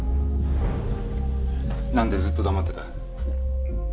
なんでずっと黙ってた？